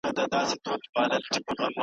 د دې لپاره ځانګړي مقررات وضع شوي.